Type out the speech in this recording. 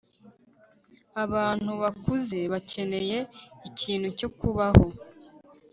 abantu bakuze bakeneye ikintu cyo kubaho